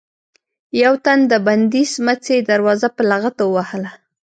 يو تن د بندې سمڅې دروازه په لغته ووهله.